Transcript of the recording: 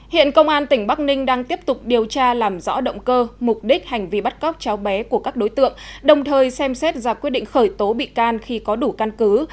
hiện công an tỉnh bắc ninh đang tiếp tục điều tra làm rõ động cơ mục đích hành vi bắt cóc cháu bé của các đối tượng đồng thời xem xét ra quyết định khởi tố bị can khi có đủ căn cứ